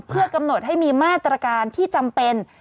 เพื่อกำหนดให้มีมาตรการที่จำเป็น